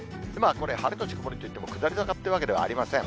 これ、晴れ後曇りといっても、下り坂っていうわけではありません。